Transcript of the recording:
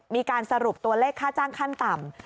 มีการสรุปตัวเลขค่าจ้างขั้นต่ำ